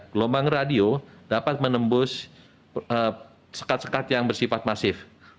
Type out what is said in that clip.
gelombang radio dapat menembus sekat sekat yang bersifat masif